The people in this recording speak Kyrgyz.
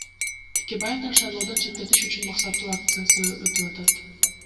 Текебаевдин шайлоодон четтетиш үчүн максаттуу акция өтүп атат.